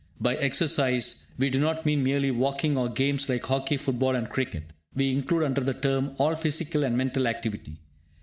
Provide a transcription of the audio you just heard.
By "exercise" we do not mean merely walking, or games like hockey, football, and cricket; we include under the term all physical and mental activity.